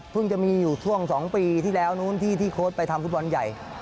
จะมีอยู่ช่วง๒ปีที่แล้วนู้นที่โค้ดไปทำฟุตบอลใหญ่